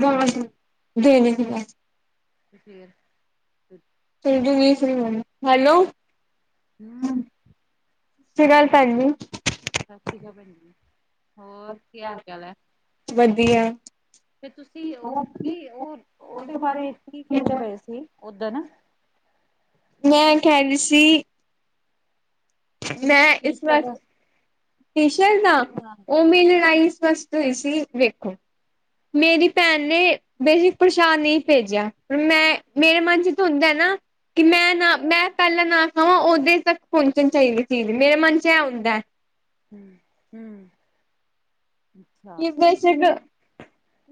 ਬਾਂ ਦੇਨ ਹ [inaudible] ਤੇ ਫੇਰ ਫੇਰ ਵੀ ਨਹੀਂ ਫ੍ਰੀ ਹੋਏ, ਹੈਲੋ ਹ ਹੂੰ ਸਤਿ ਸ੍ਰੀ ਅਕਾਲ ਭੈਣ ਜੀ ਸਤਿ ਸ਼੍ਰੀ ਅਕਾਲ ਭੈਣ ਜੀ, ਹੋਰ ਕੀ ਹਾਲ ਚਾਲ ਹੈ ਵਧੀਆ ਫੇਰ ਤੁਸੀਂ ਉਹ ਕੀ ਉਹ, ਉਹਦੇ ਬਾਰੇ ਕੀ ਕਹਿੰਦੇ ਪਏ ਸੀ ਔਦਨ ਮੈਂ ਐ ਖਹਿ ਰੀ ਸੀ ਮੈਂ ਟੀ ਇਸ ਵਾਰ, ਸ਼ਰਟ ਟੀਸ਼ਰ ਦਾ ਹਾਂ ਉਹ ਮੈਂ ਲੜਾਈ ਇਸਸ ਤੁ ਏ ਸੀ ਵੇਖੋ, ਮੇਰੀ ਭੈਣ ਨੇ ਬੇਸ਼ੱਕ ਪਰਸ਼ਾਦ ਨਹੀਂ ਭੇਜਿਆ, ਪਰ ਮੈਂ ਮੇਰੇ ਮਨ ਚ ਤਾਂ ਹੁੰਦਾ ਨਾ ਕਿ ਮੈਂ ਨਾ ਮੈਂ ਪਹਿਲਾਂ ਨਾ ਖਾਵਾਂ, ਉਦੇ ਤੱਕ ਪਹੁੰਚਣ ਚਾਹੀਦੀ ਚੀਜ਼, ਮੇਰੇ ਮਨ ਚ ਇਹ ਹੁੰਂਦਾ ਹੂ ਹੂ ਬੇਸਟ,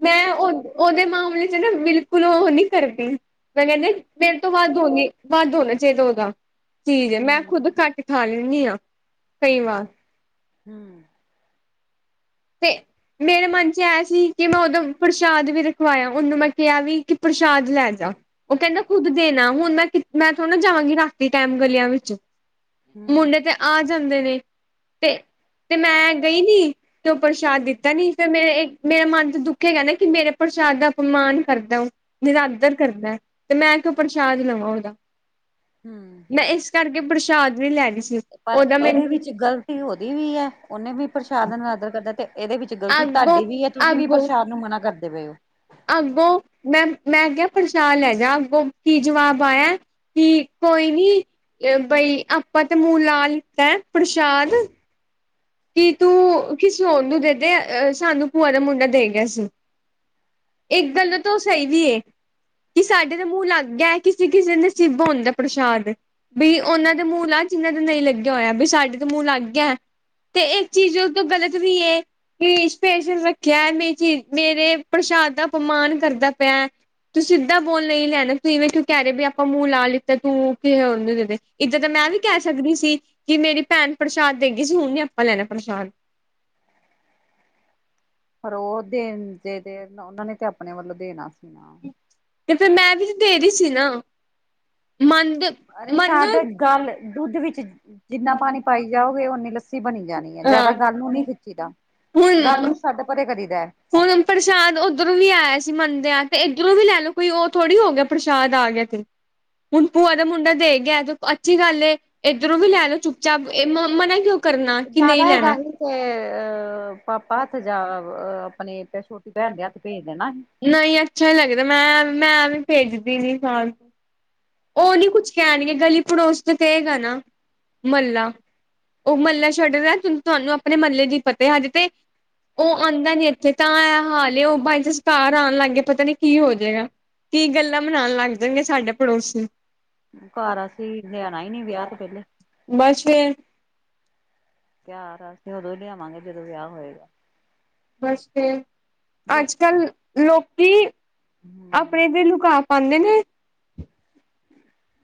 ਮੈਂ ਉਹ ਦੇ ਉਹਦੇ ਮਾਮਲੇ ਚ ਨਾ, ਬਿਲਕੁਲ ਉਹ ਨਹੀਂ ਕਰਦੀ ਈ ਮੈਂ ਕਹਿੰਦੀ ਮੇਰੇ ਤੋਂ ਵੱਧ ਹੋਣੀ, ਵੱਧ ਹੋਣਾ ਚਾਹੀਦਾ ਉਹਦਾ ਹੂੰ ਚੀਜ਼, ਹੈ ਮੈਂ ਹੂੰ ਖੁੱਦ ਘੱਟ ਖਾ ਲੈਨੀ ਆਂ ਹੂ ਤੇ ਮੇਰੇ ਮਨ ਚ ਇਹ ਸੀ, ਕਿ ਮੈਂ ਉਦੋਂ ਪ੍ਰਸ਼ਾਦ ਵੀ ਰਖਵਾਇਆ ਸੀ, ਉਹਨੂੰ ਮੈਂ ਕਿਹਾ ਵੀ ਕਿ ਪ੍ਰਸ਼ਾਦ ਲੈ ਜਾ ਉਹ ਕਹਿੰਦਾ ਖੁਦ ਦੇਣਾ, ਹੁਣ ਮੈਂ ਮੈਂ ਥੋੜਾ ਨਾ ਜਾਵਾਂਗੀ ਰਾਤੀ ਟਾਈਮ, ਗਲੀਆਂ ਵਿੱਚ, ਮੁੰਡੇ ਤੇ ਆ ਜਾਂਦੇ ਨੇ, ਤੇ ਤੇ ਮੈਂ ਗਈ ਨੀ ਤੇ ਉਹ ਪ੍ਰਸ਼ਾਦ ਦਿੱਤਾ ਨੀ, ਫਿਰ ਮੇਰੇ ਮੇਰਾ ਮਨ ਤੇ ਦੁਖੇਗਾ ਨਾ, ਕਿ ਮੇਰੇ ਪ੍ਰਸ਼ਾਦ ਦਾ ਅਪਮਾਨ ਕਰਦਾ ਨਿਰਾਦਰ ਕਰਦਾ ਹੈ, ਤੇ ਮੈਂ ਕਿਉਂ ਪ੍ਰਸ਼ਾਦ ਲਵਾਂ ਉਹਦਾ ਹੂੰ ਮੈਂ ਇਸ ਕਰਕੇ ਪ੍ਰਸ਼ਾਦ ਵੀ ਲੈਗੀ ਸੀ, ਉਹਦਾ ਮੈਨੂੰ ਤੇ ਗ਼ਲਤੀ ਉਹਦੀ ਵੀ ਹੈ, ਉਹਨੇ ਵੀ ਪ੍ਰਸ਼ਾਦਨਦਰ ਕਰਦਾ, ਤੇ ਇਹਦੇ ਵਿੱਚ ਤੇ ਗਲਤੀ ਅੱਗੋਂ ਤੁਹਾਡੀ ਵੀ ਹੈ, ਤੁਸੀਂ ਵੀ ਅੱਗੋਂ ਪ੍ਰਸ਼ਾਰ ਨੂੰ ਮਨਾ ਕਰਦੇ ਪਏ ਹੋ ਅੱਗੋਂ, ਮੈਂ ਮੈਂ ਕਿਹਾ ਪ੍ਰਸ਼ਾਦ ਲੈ ਜਾ, ਅੱਗੋਂ ਕੀ ਜਵਾਬ ਆਇਆ ਕੀ ਕੋਈ ਨੀ, ਬਈ ਆਪਾਂ ਤੇ ਮੂੰਹ ਲਾ ਲਿੱਤਾ ਪ੍ਰਸ਼ਾਦ ਕੀ ਤੂੰ ਕੀਸੀ ਹੋਰ ਨੂੰ ਦੇ ਦੇ, ਅਹ ਸਾਨੂੰ ਭੂਆ ਦਾ ਮੁੰਡਾ ਦੇ ਗਿਆ ਸੀ ਇੱਕ ਗੱਲੋ ਤੋ ਸਹੀ ਵੀ ਐ ਕਿ ਸਾਡੇ ਤੇ ਮੂੰਹ ਲੱਗ ਗਿਆ ਹੈ, ਕਿਸੇ ਕਿਸੇ ਨਸੀਬ ਹੁੰਦਾ ਪ੍ਰਸ਼ਾਦ ਵੀ ਉਹਨਾਂ ਦੇ ਮੂਹ ਲਾ ਜਿਹਨਾਂ ਦਾ ਨਹੀਂ ਲੱਗਿਆ ਹੋਇਆ, ਵੀ ਸਾਡੇ ਤਾਂ ਮੂਹ ਲਗ ਆ ਤੇ, ਇੱਕ ਚੀਜ਼ ਉਹ ਤੋਂ ਗਲਤ ਵੀ ਹੈ। ਕੀ ਸਪੇਸ਼ਲ ਰੱਖਿਆ ਹੈ, ਮੈਂ ਜੀ, ਮੇਰੇ ਪ੍ਰਸ਼ਾਦ ਦਾ ਅਪਮਾਨ ਕਰਦਾ ਪਿਆ। ਤੂੰਂ ਸਿੱਧਾ ਬੋਲ ਨਹੀਂ ਲੈਣਾ, ਤੂੰ ਇਵੇਂ ਕਿਉਂ ਕਹਿ ਰਹੇ ਵੀ ਆਪਾਂ ਮੂੰਹ ਲਾ ਲਿੱਤਾ, ਤੂੰ ਕਿਸੇ ਹੋਰ ਨੂੰ ਦੇ ਦੇ ਇੱਦਾਂ ਤਾਂ, ਮੈਂ ਵੀ ਕਹਿ ਸਕਦੀ ਸੀ, ਕਿ ਮੇਰੀ ਭੈਣ ਪ੍ਰਸ਼ਾਦ ਦੇਗੀ ਸੀ, ਹੁਣ ਨ ਆਪਾਂ ਲੈਣਾ ਪ੍ਰਸ਼ਾਦ ਫੇਰ ਉਹ ਦੇਣ ਜ ਤੇ, ਉਹਨਾਂ ਨੇ ਤੇ ਆਪਣੇ ਵੱਲੋਂ ਦੇਣਾ ਸੀ ਨਾ। ਅਤੇ ਫਿਰ ਮੈਂ ਵੀ ਤਾਂ ਦੇ ਰਹੀ ਸੀ ਨਾ ਮੰਦ ਅਰੇ ਮੰਨ ਛੱਡ, ਇਕ ਹਾਂ ਗੱਲ ਦੁੱਧ ਵਿੱਚ ਜਿੰਨਾ ਪਾਣੀ ਪਾਈ ਜਾਓਗੇ, ਓਨੀ ਲੱਸੀ ਬਣੀ ਜਾਣੀ ਹੈ, ਜਿਆਦਾ ਗੱਲ ਨੂੰ ਨਹੀਂ ਖਿੱਚੀ ਦਾ ਹੁਣ ਗੱਲ ਨੂੰ ਛੱਡ ਪਰੇ ਕਰੀ ਦਾ ਹੁਣ ਪ੍ਰਸ਼ਾਦ ਉੱਧਰੋਂ ਵੀ ਆਇਆ ਸੀ ਮੰਨਦਿਆਂ ਆਂ, ਤੇ ਇੱਧਰੋਂ ਵੀ ਲੈ ਲਓ, ਕੋਈ ਉਹ ਥੋੜ੍ਹੀ ਹੋ ਗਿਆ ਪ੍ਰਸ਼ਾਦ ਆ ਗਿਆ ਹੁਣ ਭੂਆ ਦਾ ਮੁੰਡਾ ਦੇ ਗਿਆ, ਤੇ ਅੱਛੀ ਗੱਲ ਏ ਇੱਧਰੋਂ ਵੀ ਲੈ ਲਓ ਚੁੱਪ ਚਾਪ, ਮਨਾ ਕਿਉਂ ਕਰਨਾ ਕਿ ਨਹੀਂ ਜ਼ਿਆਦਾ ਹੈਗਾ ਲੈਣਾ ਹੀ ਤੇ ਅਹ ਪਾਪਾ ਹੱਥ ਜਾਂ ਆਪਣੇ ਛੋਟੀ ਭੈਣ ਦੇ ਹੱਥ ਭੇਜ ਦੇਣਾ ਨਹੀਂ ਅੱਛਾ ਨ ਲੱਗਦਾ, ਮੈਂ ਮੈਂ ਵੀ ਭੇਜਦੀ ਨੀ ਸਾਨ ਉਹ ਨੀ ਕੁੱਛ ਕਹਿਣਗੇ, ਗਲੀ ਪੜੋਸ ਤੇ ਕਹੇਗਾ ਨਾ ਮਹੱਲਾ ਉਹ ਮਹੱਲਾ ਛੱਡਦਾ ਤੁਹਾਨੂੰ ਆਪਣੇ ਮਹੱਲੇ ਦੀ ਪਤੈ ਹਜੇ ਤੇ ਉਹ ਆਉਂਦਾ ਨੀ ਇੱਥੇ ਤਾਂ ਐ ਹਾਲੇ ਉਹ ਬਾਈਚਾਂਸ ਬਾਹਰ ਆਉਣ ਲੱਗ ਗਏ ਪਤਾ ਨੀ ਕੀ ਹੋ ਜਏਗਾ ਕੀ ਗੱਲਾਂ ਬਨਾਉਣ ਲੱਗ ਜਾਣਗੇ ਸਾਡੇ ਪੜੋਸੀ ਨੂੰ ਘਰ ਅਸੀਂ ਲੈਆਣਾ ਹੀ ਨੀ ਵਿਆਹ ਤੋਂ ਪਹਿਲੇ ਬਸ ਫੇਰ ਤਿਓਹਾਰ ਅਸੀਂ ਤੇ ਉਦੋਂ ਹੀ ਲਿਆਵਾਂਗੇ ਜਦੋਂ ਵਿਆਹ ਹੋਏਗਾ। ਬਸ ਫੇਰ ਅੱਜ ਕੱਲ ਲੋਕੀ ਹਮ ਆਪਣੇ ਤੇ ਲੁਕਾ ਪਾਉਂਦੇ ਨੇ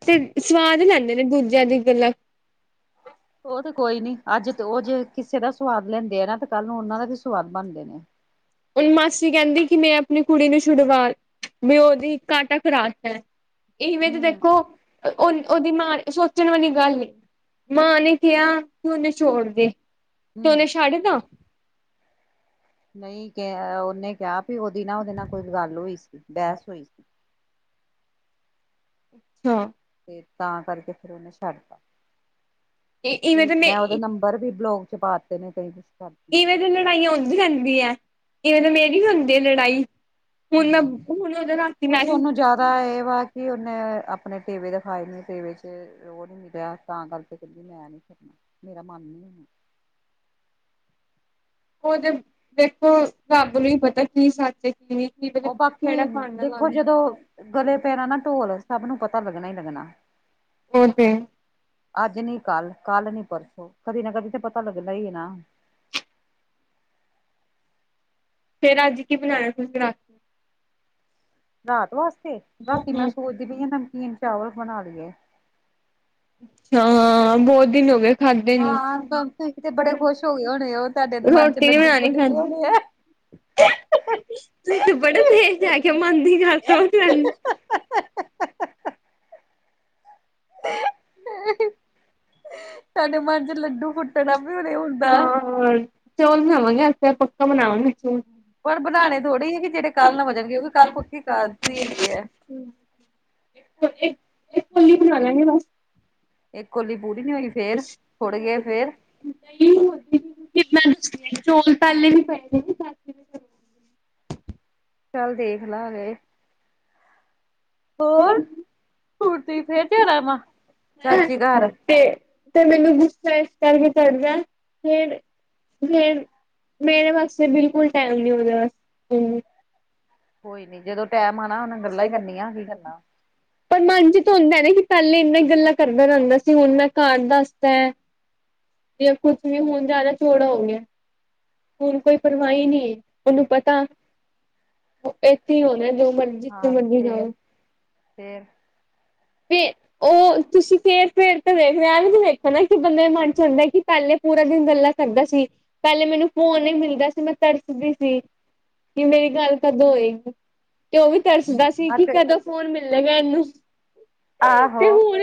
ਤੇ ਸਵਾਦ ਲੈਂਦੇ ਨੇ ਦੂਜਿਆਂ ਦੀ ਗੱਲਾਂ ਉਹ ਤੇ ਕੋਈ ਨੀਚੇ ਅੱਜ ਉਹ ਜੇ ਕਿਸੇ ਦਾ ਸੁਵਾਦ ਲੈਂਦੇ ਆ ਨਾ ਤੇ ਕੱਲ ਨੂੰ ਉਹਨਾਂ ਦਾ ਵੀ ਸੁਵਾਦ ਬਣਦੇ ਨੇ ਆ ਹਣ ਮਾਸੀ ਕਹਿੰਦੀ ਕਿ, ਮੈਂ ਆਪਣੀ ਕੁੜੀ ਨੂੰ ਛੁਡਵਾ ਮ ਉਹਦੀ ਕਾਟਾ ਕਰਾਤਾ ਇਵੇਂ ਤੇ ਹਮ ਦੇਖੋ ਉਹਦੀ ਮਾਂ ਸੋਚਣ ਵਾਲੀ ਗੱਲ ਮਾਂ ਨੇ ਕਿਹਾ ਹੁਣ ਛੋੜ ਦੇ ਤ ਉਹਨੇ ਹਮ ਛੱਡ ਦਾ ਨਹੀਂ ਕ ਉਹਨੇ ਕਿਹਾ ਵੀ ਉਹਦੀ ਨਾ ਉਹਦੇ ਨਾਲ ਕੋਈ ਗੱਲ ਹੋਈ ਸੀ ਬਹਿਸ ਹੋਈ ਸੀ। ਹਾਂ ਤੇ ਤਾਂ ਕਰਕੇ ਫਿਰ ਉਹਨੇ ਛੱਡਤਾ ਤੇ ਮੈਂ ਉਹਦਾ ਨੰਬਰ ਵੀ ਬਲੋਕ ਚ ਪਾਤੇ ਨੇ, ਕਈ ਕੁਛ ਕਰਕੇ ਇਵੇਂ ਲੜਾਈਆਂ ਹੋਂਦੀ ਰਹਿੰਦੀ ਹੈ ਇਵੇਨ ਮੇਰੀ ਵੀ ਹੁੰਦੀ ਹੈ ਲੜਾਈ ਹੁਣ ਮੈਂ ਹੂੰ ਹੁਣ ਉਹਦੋਂ ਲੱਗਤੀ ਨਾ ਕੁਛ ਉਹਨੂੰ ਜ਼ਿਆਦਾ ਇਹ ਵਾ ਕਿ, ਉਹਨੇ ਆਪਣੇ ਟੇਵੇ ਦਿਖਾਏ ਨੇ ਟੇਵੇ ਚ ਉਹ ਨੀ ਮਿਲਿਆ, ਤਾਂ ਕਰਕੇ ਕਹਦੀ ਮੈਂ ਨੀ ਕਰਨਾ ਮੇਰਾ ਮਨ ਨੀ ਹਣਾ ਉਹ ਤੇ ਦੇੇਖੋ, ਰੱਬ ਨੂੰ ਹੀ ਪਤਾ ਕੀ ਸੱਚ [inaudible] ਉਹ ਬਾਕੀ ਭਾਨਾ ਦੇਖੋ ਜਦੋਂ ਲਾਂਦਾ। ਗਲੇ ਪੈਣਾ ਨਾ ਢੋਲ ਸਭ ਨੂੰ ਪਤਾ ਲੱਗਣਾ ਹੀ ਲੱਗਣਾ। ਉਹ ਤੇ ਅੱਜ ਨੀ ਕੱਲ ਕੱਲ ਨੀ ਪਰਸੋਂ ਕਦੀ ਨਾ ਕਦੀ ਤੇ ਪਤਾ ਲੱਗਦਾ ਹੀ ਨਾ ਫੇਰ ਅੱਜ ਕੀ ਬਣਾਉਣਾ ਤੁਸੀਂ ਰਾਤੀ? ਰਾਤ ਵਾਸਤੇ, ਰਾਤੀ ਮੈਂ ਸੋਚਦੀ ਪਈ ਨਮਕੀਨ ਚਾਵਲ ਬਣਾ ਲਈਏ। ਹਾਂ, ਬਹੁਤ ਦਿਨ ਹੋ ਗਏ ਖਾਧੇ ਨੀ। ਹਾਂ ਗ ਤੇ ਬੜੇ ਖੁਸ਼ ਹੋ ਗਏ ਹੋਣੇ, ਉਹ ਤੁਹਾਡੇ ਮਨ ਚ ਰੋਟੀ ਲੱਡੂ ਫੁੱਟ ਗਏ ਹੋਣੇ ਆ। ਤੁਸੀਥੇ ਬੜਾ ਤੇਜ਼ ਹੈਗੇ ਹੋ ਮਨ ਦੀ ਗੱਲਮਨ ਦੀ ਗ ਸਾਡੇ ਮਨ ਚ ਲੱਡੂ ਫੁੱਟਣਾ ਵੀ ਹਨ ਹੁ ਅ ਚੋਲ ਬਣਾਵਾਂਗੇ, ਅੱਜ ਪੱਕਾ ਬਣਾਵਾਂਗੇ ਚੋਲ ਪਰ ਬਣਾਉਣੇ ਥੋੜ੍ਹੇ ਹੀ ਹੈ, ਕਿ ਜਿਹੜੇ ਕੱਲ੍ਹ ਨਾ ਬਚਣਗੇ ਉਹ ਵੀ ਕੱਲ ਪੱਕੀ ਕਾਸਤੀ ਹੈਗੀ ਹੈ। [inaudible] ਇੱਕ ਕੋਲੀ ਪੂਰੀ ਨੀ ਹੋਈ ਫੇਰ ਥੁੜ ਗਏ ਫੇਰ [unintelligible] ਕਿ ਮੈਂ ਦਸੀ ਚੌਲ ਪਹਿਲੇ ਵੀ। [unintelligible] ਚੱਲ ਦੇਖ ਲਾਂਗੇ। ਹੋਰ ਹੋਰਤੀ ਫੇਰ ਜਾਣਾ ਵਾ ਚਾਚੀ ਘਰ। ਤੇ ਤੇ ਮੈਨੂੰ ਗੁੱਸਾ ਏਸ ਕਰਕੇ ਕਰ ਦਾ ਐ ਫੇਰ ਫੇਰ ਮੇਰੇ ਵਾਸਤੇ ਬਿਲਕੁਲ ਟਾਈਮ ਨੀ ਓਦੇ ਵਾਸਤੇ। ਕੋਈ ਨੀ ਜਦੋਂ ਟੈਮ ਆਣਾ ਓਨੇ ਗੱਲਾਂ ਈ ਕਰਨੀਆਂ ਕੀ ਕਰਨਾ। ਪਰ ਮਨ ਚ ਤੇ ਹੁੰਦਾ ਐ ਨਾ ਕਿ ਪਹਿਲੇ ਇੰਨੀ ਗੱਲਾਂ ਕਰਦਾ ਰਹਿੰਦਾ ਸੀ ਹੁਣ ਮੈਂ ਘਰ ਦੱਸਤਾ ਐ। ਜੇ ਓ ਕੁੱਛ ਵੀ ਹੁਣ ਜਾਦਾ ਚੋੜ ਹੋ ਗਿਆ ਹੁਣ ਕੋਈ ਪਰਵਾਹੀ ਨਹੀਂ ਉਹਨੂੰ ਪਤਾ ਉੇ ਹੋਣਾ ਜੋ ਮਰਜ਼ੀ ਜਥੋਂ ਮਰਜ਼ੀ ਨਾਓ ਫੇਿਰ ਵੀ ਉਹ ਤੁਸੀਂ ਫੇਰ ਪੇਰ ਤੇ ਦੇਖ ਰਖ ਹਨਾ ਕਿ ਬੰਦੇ ਦੇ ਮਨ ਚ ਹੁੰਦਾ, ਕਿ ਪਹਿਲੇ ਪੂਰਾ ਦਿਨ ਗੱਲਾ ਕਰਦਾ ਸੀ। ਪਹਿਲੇ ਮੈਨੂੰ ਫੋਨ ਨਹੀਂ ਮਿਲਦਾ ਸੀ ਮੈਂ ਤਰਸਦੀ ਸੀ ਕਿ ਮੇਰੀ ਗੱਲ ਕਦੋਂ ਹੋਏਗੀ। ਤੇ ਉਹ ਵੀ ਤਰਸਦਾ ਸੀ ਹਾਂ ਕਿ ਤੇ ਕਦੋਂ ਫੋਨ ਮਿਲੇਗਾ ਇਹਨੂੰ? ਆਹੋ। ਤੇ ਹੁਣ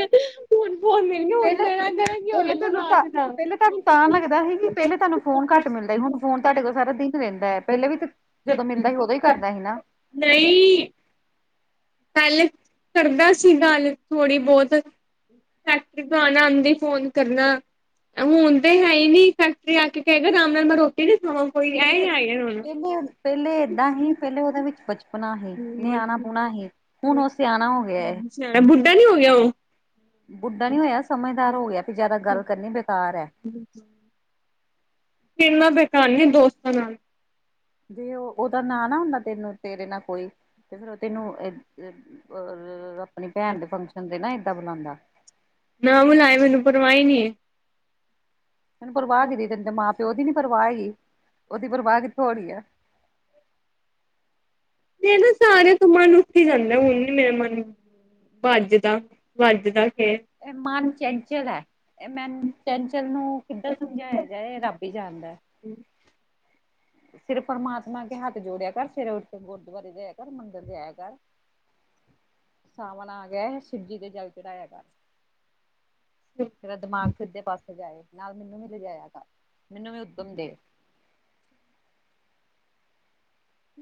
ਹੁਣ ਫੋਨ ਮਿਲ ਗਿਆ ਹੁਣ ਪਹਿਲੇ, ਤੇਰਾ ਤੇਰਾ ਕੀ ਹੋ ਪਹਿਲੇ, ਗਿਆ ਤਾਨੂੰ ਤਾਂ ਦਿਮਾਗ ਦਾ ਪਹਿਲੇ ਤੁਹਾਨੂੰ ਤਾਂ ਲੱਗਦਾ ਸੀ ਕਿ ਪਹਿਲੇ ਤੁਹਾਨੂੰ ਫੋਨ ਘੱਟ ਮਿਲਦਾ ਸੀ, ਹੁਣ ਫੋਨ ਤੁਹਾਡੇ ਕੋਲ ਸਾਰਾ ਦਿਨ ਰਹਿੰਦਾ ਹੈ, ਪਹਿਲੇ ਵੀ ਤੇ ਜਦੋਂ ਮਿਲਦਾ ਸੀ ਉਦੋਂ ਹੀ ਕਰਦਾ ਸੀ ਨਾ। ਨਹੀਂ। ਪਹਿਲੇ ਕਰਦਾ ਸੀ ਗੱਲ, ਥੋੜ੍ਹੀ ਬਹੁਤ ਫੈਕਟਰੀ ਤੋਂ ਆਣਾ, ਆਂਦੇ ਈ ਫੋਨ ਕਰਨਾ। ਹੁਣ ਤੇ ਹੈ ਹੀ ਨੀ, ਫੈਕਟਰੀ ਆ ਕੇ ਕੇਗਾ, ਰਾਮ ਨਾਲ ਮੈਂ ਰੋਟੀ ਨ ਖਾਵਾਂ ਕੋਈ ਇਹ ਪਹਿਲੇ ਹ ਆਏ ਏ ਹੁਣ। ਪਹਿਲੇ, ਪਹਿਲੇ ਏਦਾਂ ਹੀ ਪਹਿਲੇ ਓਦੇ ਵਿੱਚ ਬਚਪਨਾ ਸੀ, ਨਿਆਣਾ ਪੁਣਾ ਸੀ, ਹੁਣ ਓ ਸਿਆਣਾ ਹੋ ਗਿਆ ਐ। ਨਿਆਣਾ, ਬੁੱਢਾ ਨੀ ਹੋ ਗਿਆ ਓ? ਬੁੱਢਾ ਨੀ ਹੋਇਆ, ਸਮਝਦਾਰ ਹੋ ਗਿਆ ਵੀ ਜਆਦਾ ਗੱਲ ਕਰਨੀ ਬੇਕਾਰ ਐ। [unintelligible] [unintelligible] ਕਿ ਏਨਾ ਬੇਕਾਰ ਨੀ, ਦੋਸਤਾਂ ਨਾਲ। ਜੇ ਓ, ਓਦਾ ਨਾ ਨਾ ਹੁੰਦਾ ਤੈਨੂੰ, ਤੇਰੇ ਨਾਲ ਕੋਈ ਤੇ ਫੇਰ ਔ ਤੈਨੂੰ ਏ ਅਪਣੀ ਭੈਣ ਦੇ ਫੰਕਸ਼ਨ ਤੇ ਨਾ ਏਦਾਂ ਬੁਲਾਂਦਾ? ਨਾ ਬੁਲਾਏ, ਮੈਨੂੰ ਪਰਵਾ ਈ ਨੀ ਏ। ਤੈਨੂੰ ਪਰਵਾਹ ਕਿਦੀ ਤੇਨੂੰ ਤੇ ਮਾਂ ਪਿਓ ਦੀ ਨੀ ਪਰਵਾਹ ਹੈਗੀ, ਓਦੀ ਪਰਵਾਹ ਕਿੱਥੋਂ ਹੋਣੀ ਐ? ਏ ਨ ਸਾਰਿਆਂ ਤੋਂ ਮਨ ਉੱਠੀ ਜਾਂਦਾ, ਹੁਣ ਨੀ ਮੇਰਾ ਮਨ। ਵੱਜਦਾ, ਵੱਜਦਾ ਫੇਰ। ਏ ਮਨ ਚਂਚਲ ਐ, ਏ ਮੇਨ ਚਂਚਲ ਨੂੰ ਕਿੱਦਾਂ ਸਮਝਾਇਆ ਜਾਏ ਰੱਬ ਵੀ ਜਾਂਦਾ ਐ। ਸੇਰੇ ਪਰਮਾਤਮਾ ਅਗੇ ਹੱਥ ਜੋੜਿਆ ਕਰ, ਸਵੇਰੇ ਉਠਕੇ ਗੁਰਦੁਆਰੇ ਜਾਏਆ ਕਰ, ਮੰਦਰ ਜਾਏਆ ਕਰ। ਸਾਵਣ ਆ ਗਆ ਐ, ਸਿਵਜੀ ਤੇ ਜਲ ਚੜਾਇਆ ਕਰ। ਤੇੇਰਾ ਦਿਮਾਗ ਸਿੱਧੇ ਪਾਸੇ ਜਾਏ, ਨਾਲ ਮੈਨੂੰ ਵੀ ਲਿਜਾਇਆ ਕਰ, ਮੈਨੂੰ ਵੀ ਉੱਦਮ ਦੇ।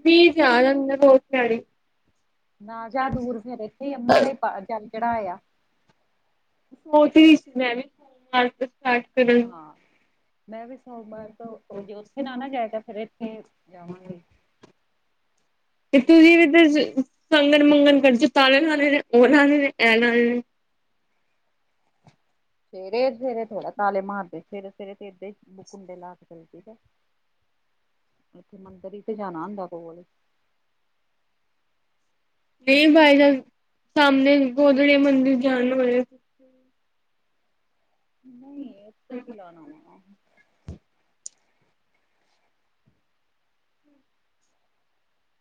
ਪਲੀਜ਼ ਯਾਰ [unintelligible] [unintelligible] ਨਾ ਜਾ ਦੂਰ, ਫੇਰ ਏਥੇ ਈ ਅੰਮਾ ਤੇ ਈ ਜਲ ਚੜ੍ਹਾਇਆ। ਸੋਚ ਰਹੀ ਸੀ ਮੈਂ ਵੀ ਸੋ ਮਾਰ ਸਟਾਰਟ ਕਰਨ। [unintelligible] ਹਾਂ ਮੈਂ ਵੀ ਸੋਮਵਾਰ ਤੋਂ, ਓ ਜੇ ਓਥੇ ਨਾ ਨਾ ਜਾਏਆ ਕਰ ਫਿਰ ਏਥੇ ਜਾਵਾਂਗੇ। ਤੇ ਤੁਸੀਂ ਵੀ ਤੇ ਸ਼ ਸੰਗਣ, ਮੰਗਣ ਕਰਜ, ਤਾਲੇ ਲਾਣੇ ਨੇ, ਓਹ ਲਾਣੇ ਨੇ, ਐ ਲਾਣੇ ਨੇ। ਸਵੇਰੇ ਸਵੇਰੇ ਥੋੜਾ ਤਾਲੇ ਮਾਰਦੇ, ਸਵੇਰੇ- ਸਵੇਰੇ ਤੇ ਏਦਾ ਈ ਕੁੰਡੇ ਲਾ ਕੇ ਚੱਲ ਜੀ ਦਾ। ਏਥੇ, ਮੰਦਰ ਈ ਤੇ ਜਾਣਾ ਹੁੰਦਾ ਕੋਲ ਈ। ਫੇਰ ਬਾਈਜਾ, ਸਾਹਮਣੇ ਗੋਦੜੇ ਮੰਦਿਰ ਜਾਣ ਨੂੰ ਹੋਏ। ਨਹੀਂ, ਉੱਥੇ ਕਿ ਲਉਣਾ ਵਣਾ।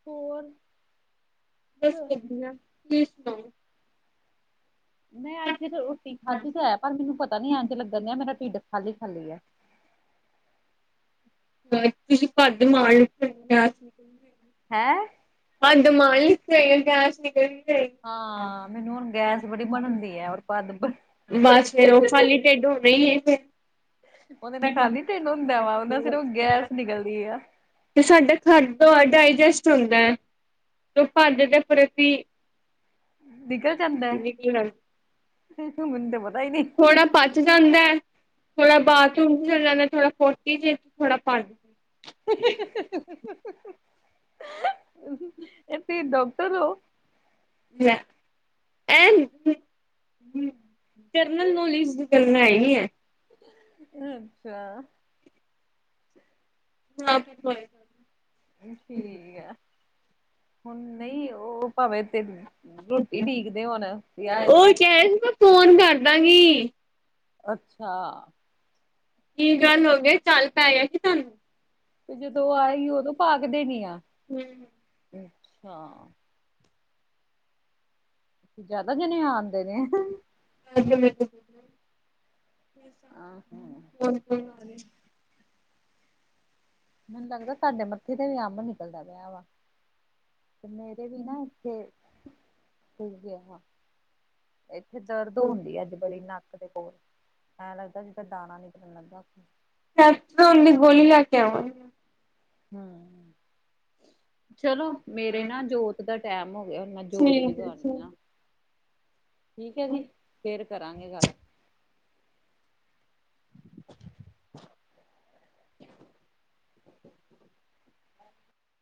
ਹੋਰ। ਬਸ ਵਧੀਆ, ਤੁਸੀ ਸੁਣਾਓ। ਮੈਂ ਅੱਜ ਰੋਟੀ ਖਾਧੀ ਤਾਂ ਹੈ ਪਰ ਮੈਨੂੰ ਪਤਾ ਨੀ ਐਂਜ ਲੱਗਣ ਡਿਆ ਮੇਰਾ ਢਿੱਡ ਖਾਲੀ ਖਾਲੀ ਹੈ। ਤੁਸੀਂ ਭੱਦ ਮਾਲਦੇ [unintelligible] ਹੈਂ? ਪੱਦ ਮਾਰੀ, ਫਿਰ ਗੈਸ਼ ਨਿਕਲੀ ਜੇ। ਹਾਂ, ਮੈਨੂੰ ਹੁਣ ਗੈਸ ਬੜੀ ਬਣਨ ਡੀ ਹੈ ਔਰ ਪੱਦ ਬਸ, ਫੇਰ ਉਹ ਖਾਲੀ ਢਿੱਡ ਹੋਣਾ ਹੀ ਏ ਫਿਰ। ਉਹਦੇ ਨਾਲ ਖਾਲੀ ਤਿਨ ਹੁੰਦਾ ਵਾ ਉਹ ਨਾਲ ਸਿਰਫ ਫਿਰ। ਗੈਸ ਨਿਕਲਦੀ ਆ। ਤੇ ਸਾਡਾ ਖਰਦ ਡਾਇਜਸਟ ਹੁੰਦਾ ਹੈ। ਤੂੰ ਭੱਜ ਤੇ ਫਿਰ ਅਸੀ ਨਿਕਲ ਜਾਂਦਾ ਐ, ਫਿਰ ਤੇ ਮੁਨ ਤੇ ਪਤਾ ਈ ਨਈ। ਥੋੜਾ ਪਚ ਜਾਂਦਾ ਐ, ਥੋੜਾ ਬਾਥਰੂਮ ਚ ਚੱਲ ਜਾਂਦਾ, ਥੋੜਾ ਪੋਟੀ ਚ ਥੋੜਾ ਭਰ [unintelligible] [unintelligible] ਏ ਤੇ ਡਾਕਟਰ ਔ? ਲੈ ਐਨ ਜਰਨਲ ਨੌਲੇਜ ਦੀ ਗੱਲਾਂ ਹੈਗੀਐਂ। ਅੱਛਾ। ਹਾਂ ਫੇਰ ਬਾਏ। ਠੀਕ ਐ। ਹੁਣ ਨਈ ਓ ਭਾਵੇਂ ਤੇ ਰੋਟੀ ਉਡੀਕਦੇ ਹੋੁਣ ਵਿਆ [unintelligible] ਫੋਨ ਕਰਦਾਂ ਗੀ। ਅੱਛਾ। ਕੀ ਗੱਲ ਹੋ ਗਏ ਚੱਲ ਪੈ ਗਿਆ ਕਿ ਤੁਹਾਨੂੰ। ਤੇ ਜਦੋਂ ਉਹ ਆਏਗੀ ਉਦੋਂ ਭਗਦੇਣੀ ਆ। ਹਮ। ਅੱਛਾ। ਜਿਆਦਾ ਜਣੇ ਆਉਂਦੇ ਨੇ। ਰੇ ਆਹੋ ਮੈਨੂੰ ਲੱਗਦਾ ਤੁਹਾਡੇ ਮੱਥੇ ਤੇ ਵੀ ਅੰਬ ਨਿਕਲਦਾ ਪਿਆ ਵਾ। ਤੇ ਮੇਰੇ ਵੀ ਨਾ ਇੱਥੇ ਫੁੱਲ ਗਿਆ। ਇੱਥੇ ਦਰਦ ਹੁੰਦੀ ਹੈ ਅੱਜ ਬੜੀ ਨੱਕ ਦੇ ਕੋਲ ਐ ਲੱਗਦਾ ਜਿਦਾ ਦਾਣਾ ਨਿਕਲਣ ਲੱਗਦਾ। ਕੈਪਸੂਲ ਦੀ ਗੋਲੀ ਲੈਕੇ ਆਵਾਂਗੀ। ਹਮ ਚਲੋ। ਮੇਰੇ ਨਾ ਜੋਤ ਦਾ ਟੈਮ ਹੋ ਗਿਆ ਹ ਮੈਂ ਜੋਤ ਠੀਕ ਹੈ ਜਗਾਉਣੀ ਠੀਕ ਆ। ਠੀਕ ਹੈ ਜੀ ਫੇਰ ਕਰਾਂਗੇ ਗੱਲ।